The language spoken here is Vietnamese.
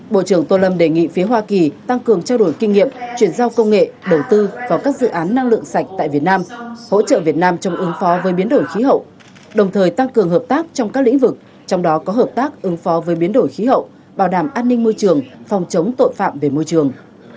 bộ trưởng tô lâm đề nghị phía hoa kỳ tăng cường trao đổi kinh nghiệm chuyển giao công nghệ đầu tư vào các dự án năng lượng sạch tại việt nam hỗ trợ việt nam trong ứng phó với biến đổi khí hậu đồng thời tăng cường hợp tác trong các lĩnh vực trong đó có hợp tác ứng phó với biến đổi khí hậu bảo đảm an ninh môi trường phòng chống tội phạm về môi trường